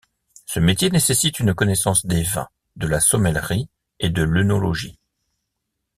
Ce métier nécessite une connaissance des vins, de la sommellerie et de l'œnologie.